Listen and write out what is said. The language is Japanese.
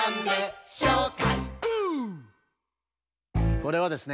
これはですね